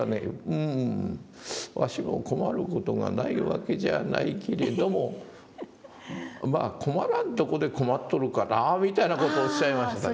「うんわしも困る事がないわけじゃないけれどもまあ困らんとこで困っとるかな」みたいな事をおっしゃいましたね。